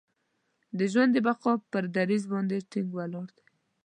د ژوند د بقا پر دریځ باندې ټینګ ولاړ دی.